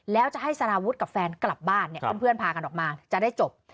แล้วจะให้สารวุฒิกับแฟนกลับบ้านเนี่ยเพื่อนพากันออกมาจะได้จบ